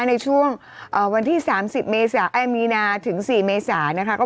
ในช่วงวันที่๓๐มีนาถึง๔เมษานะคะ